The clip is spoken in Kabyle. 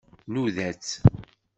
Nnuda-tt.